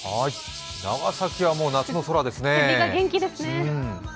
長崎は夏の空ですね。